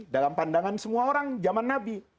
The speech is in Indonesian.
dalam pandangan semua orang zaman nabi